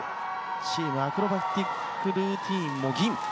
チームアクロバティックルーティンも銀。